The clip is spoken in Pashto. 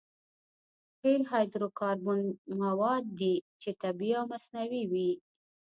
قیر هایدرو کاربن مواد دي چې طبیعي او مصنوعي وي